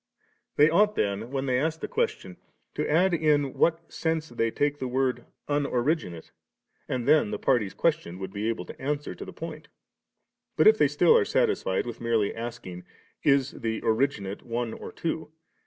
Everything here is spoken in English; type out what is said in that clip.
• They ought then, when they ask the question, to add in what sense they take the word * unoriginate/ and then the parties questioned would be able to answer to the point 31. But if they still are satisfied with merely asking, * Is the ITnoriginate one or two